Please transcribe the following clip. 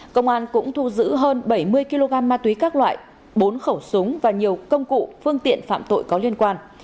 công an cũng thu giữ hơn bảy mươi kg ma túy các loại bốn khẩu súng và nhiều công cụ phương tiện phạm tội có liên quan